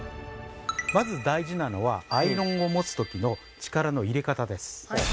まず大事なのはアイロンを持つときの力の入れ方です。